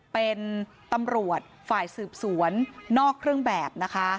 เป็นตำรวจฝ่ายสืบสวนนอกเครื่องแบบนะคะ